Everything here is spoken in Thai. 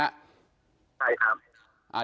ใช่ครับ